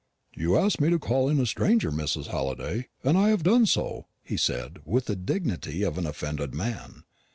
"You asked me to call in a stranger, Mrs. Halliday, and I have done so," he said, with the dignity of an offended man.